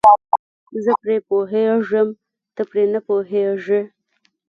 زه پرې پوهېږم ته پرې نه پوهیږې.